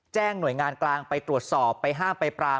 หน่วยงานกลางไปตรวจสอบไปห้ามไปปราม